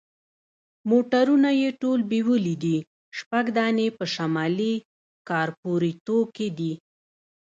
موټرونه یې ټول بیولي دي، شپږ دانې په شمالي کارپوریتو کې دي.